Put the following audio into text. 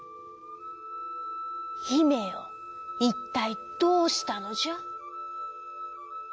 「ひめよいったいどうしたのじゃ？」。